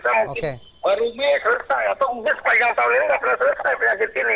bisa mungkin baru mei selesai atau mbak sepanjang tahun ini tidak pernah selesai penyakit ini